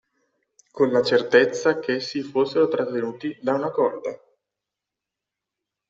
Con la certezza ch'essi fossero trattenuti da una corda!